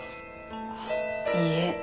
あっいいえ。